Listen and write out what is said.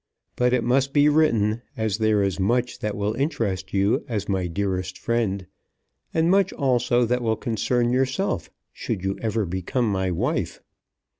But it must be written, as there is much that will interest you as my dearest friend, and much also that will concern yourself should you ever become my wife.